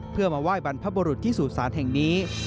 เพื่อมาไหว้บรรพบุรุษที่สู่ศาลแห่งนี้